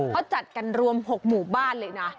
เขาจัดกันรวม๖หมู่บ้านเลยนะ